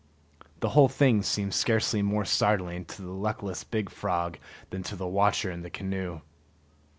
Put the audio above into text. The whole thing seemed scarcely more startling to the luckless big frog than to the watcher in the canoe.